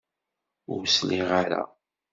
Ur sliɣ ara.